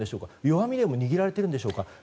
弱みでも握られているんでしょうか。